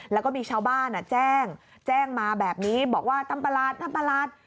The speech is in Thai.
แล้วก็มีชาวบ้านแจ้งแบบนี้บอกว่าตำปลาลาศ